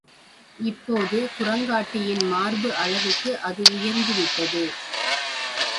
இப்போது குரங்காட்டியின் மார்பு அளவுக்கு அது உயர்ந்து விட்டது.